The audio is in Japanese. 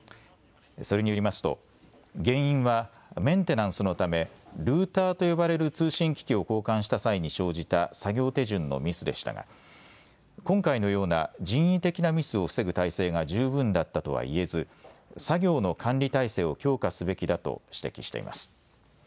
それによりますと原因はメンテナンスのためルーターと呼ばれる通信機器を交換した際に生じた作業手順のミスでしたが今回のような人為的なミスを防ぐ体制が十分だったとは言えず作業の管理体制を強化すべきだと指摘しています。